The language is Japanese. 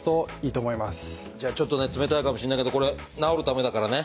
じゃあちょっと冷たいかもしれないけどこれ治るためだからね。